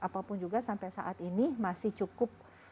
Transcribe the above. apapun juga sampai saat ini masih cukup